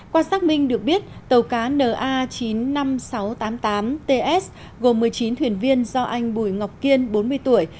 qua xác minh được biết tàu cá na chín mươi năm nghìn sáu trăm tám mươi tám ts gồm một mươi chín thuyền viên do anh bùi ngọc kiên bốn mươi tuổi